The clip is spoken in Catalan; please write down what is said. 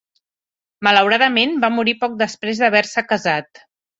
Malauradament va morir poc després d"haver-se casat.